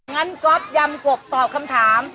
งั้นก๊อฟยำกบตอบคำถาม